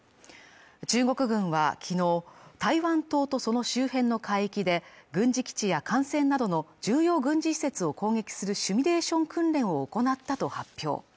中国軍は昨日台湾島とその周辺の海域で軍事基地や艦船などの重要軍事施設を攻撃するシミュレーション訓練を行ったと発表。